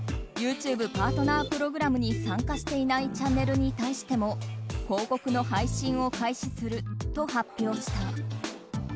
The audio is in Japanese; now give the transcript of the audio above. ＹｏｕＴｕｂｅパートナープログラムに参加していないチャンネルに対しても広告の配信を開始すると発表した。